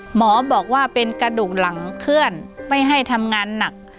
หมอบอกว่าเป็นกระดูกหลังเคลื่อนไม่ให้ทำงานหนัก